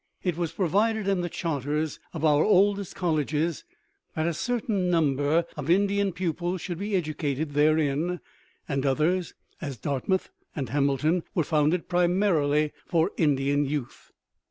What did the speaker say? It was provided in the charters of our oldest colleges that a certain number of Indian pupils should be educated therein, and others, as Dartmouth and Hamilton, were founded primarily for Indian youth.